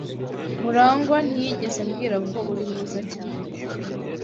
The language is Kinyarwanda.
Murangwa ntiyigeze ambwira ko uri mwiza cyane.